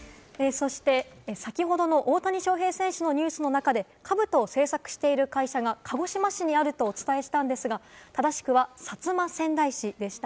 そして先ほどの大谷翔平選手のニュースの中で兜を制作している会社が鹿児島市にあるとお伝えしたんですが、正しくは薩摩川内市でした。